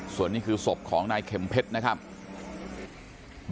ส่วนนี้คือศพของนายเข็มเพชรนะครับ